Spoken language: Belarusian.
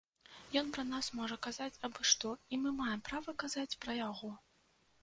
Ён пра нас можа казаць абы-што, і мы маем права казаць пра яго.